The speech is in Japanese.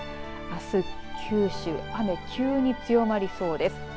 あす九州、雨急に強まりそうです。